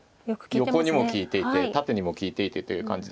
横にも利いていて縦にも利いていてという感じで。